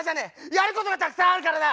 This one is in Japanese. やることがたくさんあるからな！